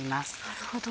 なるほど。